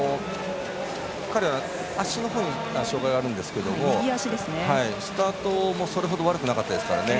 彼は足のほうに障がいがあるんですけれどもスタートもそれほど悪くなかったですからね。